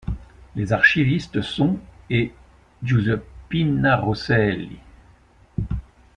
Les archivistes sont et Giuseppina Rosselli.